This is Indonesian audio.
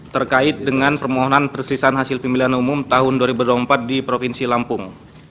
terkait dengan permohonan persisahan hasil pemilihan umum tahun dua ribu dua puluh empat di provinsi lampung